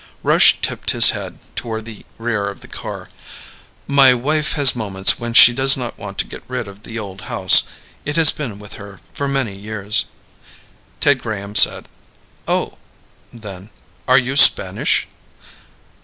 Rush tipped his head toward the rear of the car. "My wife has moments when she does not want to get rid of the old house. It has been with her for many years." Ted Graham said, "Oh." Then: "Are you Spanish?"